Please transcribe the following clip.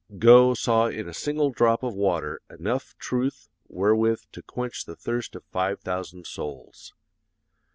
Gough saw in a single drop of water enough truth wherewith to quench the thirst of five thousand souls.